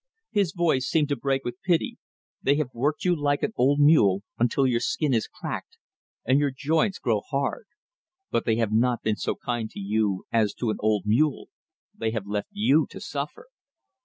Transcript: His voice seemed to break with pity. "They have worked you like an old mule, until your skin is cracked and your joints grown hard; but they have not been so kind to you as to an old mule they have left you to suffer!"